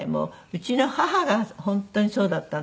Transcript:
うちの母が本当にそうだったんです。